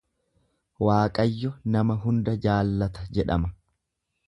Waaqayyo nama hunda jaallata jedhama.